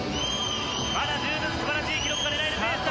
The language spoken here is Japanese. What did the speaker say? まだ十分すばらしい記録が狙えるペースだ。